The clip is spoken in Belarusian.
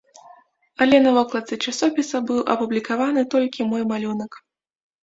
Але на вокладцы часопіса быў апублікаваны толькі мой малюнак.